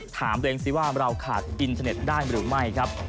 ถามตัวเองซิว่าเราขาดอินเทอร์เน็ตได้หรือไม่ครับ